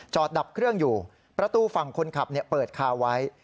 ดับเครื่องอยู่ประตูฝั่งคนขับเปิดคาไว้